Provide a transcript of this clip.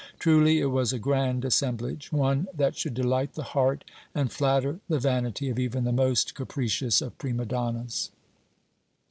Truly, it was a grand assemblage, one that should delight the heart and flatter the vanity of even the most capricious of prima donnas.